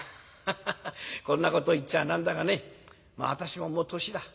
こんなこと言っちゃ何だがね私ももう年だ。